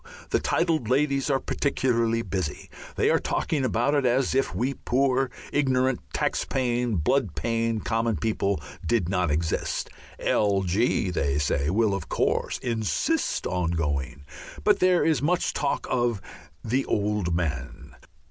The titled ladies are particularly busy. They are talking about it as if we poor, ignorant, tax paying, blood paying common people did not exist. "L. G.," they say, will of course "insist on going," but there is much talk of the "Old Man."